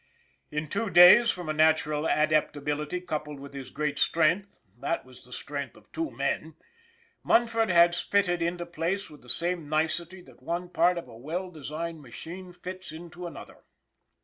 In two days, from a natural adapt ability coupled with his great strength, that was the strength of two men, Munford had fitted into place with the same nicety that one part of a well designed machine fits into another.